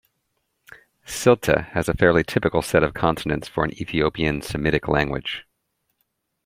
Silt'e has a fairly typical set of consonants for an Ethiopian Semitic language.